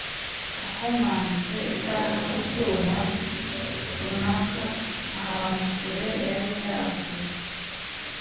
wakomanze isaha ku cyuma runaka ahantu kure yari yaguye